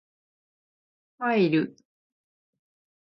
ファイル